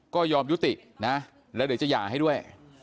ก็ยอมยุตินะแล้วเดี๋ยวจะหย่าให้ด้วย